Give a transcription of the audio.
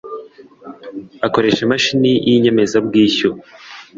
akoresha Imashini y inyemazabwishyu